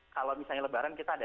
kalau misalnya lebaran kita ada